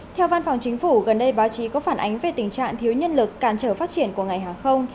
theo văn phòng chính phủ gần đây báo chí có phản ánh về tình trạng thiếu nhân lực cản trở phát triển của ngành hàng không